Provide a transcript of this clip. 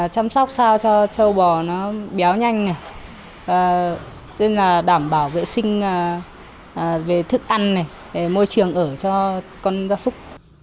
chăm sóc sao cho châu bò nó béo nhanh tức là đảm bảo vệ sinh về thức ăn môi trường ở cho con da súc